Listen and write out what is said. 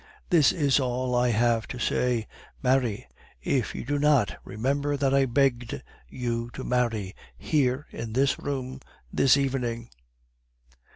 This is all I have to say: Marry. If you do not, remember that I begged you to marry, here, in this room, this evening!